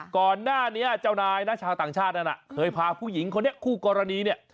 ก่อนหน้านี้เจ้านายนะชาวต่างชาตินั้นเคยพาผู้หญิงคนนี้คู่กรณีเนี่ย